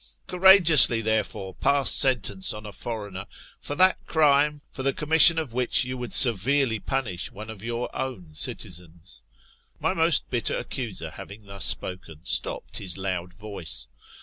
Courageously, therefore, pass sentence on a foreigner, for that crime, for the commission of which you would severely punish one of your own citizens." My most bitter accuser having thus spoken, stopt his loud voice.